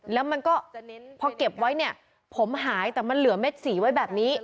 แล้วมันก็พอเก็บไว้เนี่ยผมหายแต่มันเหลือเม็ดสีไว้แบบนี้